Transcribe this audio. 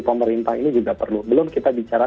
pemerintah ini juga perlu belum kita bicara